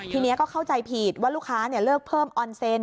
ทีนี้ก็เข้าใจผิดว่าลูกค้าเลิกเพิ่มออนเซ็น